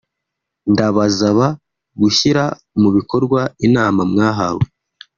ndabazaba gushyira mu bikorwa inama mwahawe